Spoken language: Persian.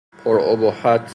پرابهت